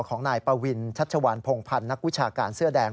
ของนายปวินชัชวานพงพันธ์นักวิชาการเสื้อแดง